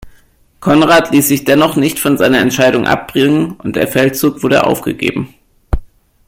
Konrad ließ sich dennoch nicht von seiner Entscheidung abbringen, und der Feldzug wurde aufgegeben.